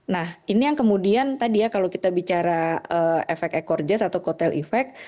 nah ini yang kemudian tadi ya kalau kita bicara efek ekor jas atau kotel efek